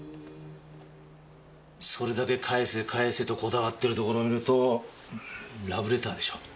それだけ返せ返せとこだわってるところを見るとラブレターでしょう。